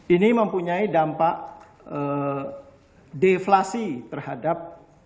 ini mempunyai dampak deflasi terhadap